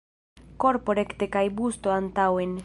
Korpo rekte kaj busto antaŭen.